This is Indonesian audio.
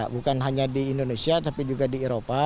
bukan hanya di indonesia tapi juga di eropa